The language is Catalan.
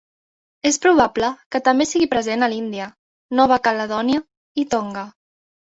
És probable que també sigui present a l'Índia, Nova Caledònia i Tonga.